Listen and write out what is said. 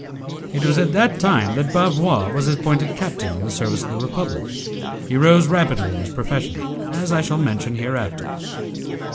It was at that time that Bavois was appointed captain in the service of the Republic; he rose rapidly in his profession, as I shall mention hereafter.